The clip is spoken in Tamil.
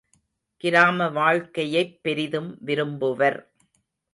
கிராம வாழ்க்கையைப் பெரிதும் விரும்புவர்.